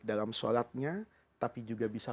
dalam sholatnya tapi juga bisa